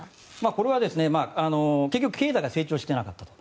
これは結局経済が成長していなかったと。